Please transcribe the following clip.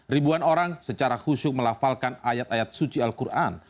ribuan orang secara khusyuk melafalkan ayat ayat suci al quran